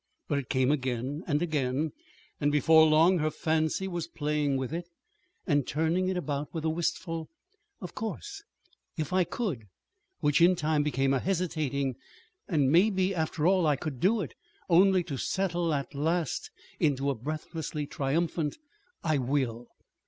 But it came again and again; and before long her fancy was playing with it, and turning it about with a wistful "Of course, if I could!" which in time became a hesitating "And maybe, after all, I could do it," only to settle at last into a breathlessly triumphant "I will!"